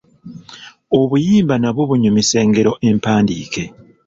Obuyimba nabwo bunyumisa engero empandiike.